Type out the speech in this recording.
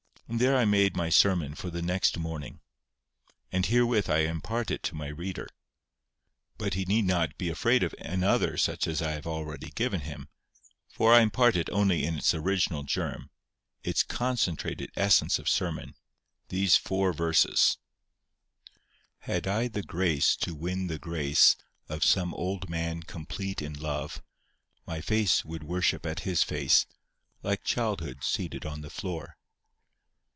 And there I made my sermon for the next morning. And herewith I impart it to my reader. But he need not be afraid of another such as I have already given him, for I impart it only in its original germ, its concentrated essence of sermon—these four verses: Had I the grace to win the grace Of some old man complete in lore, My face would worship at his face, Like childhood seated on the floor.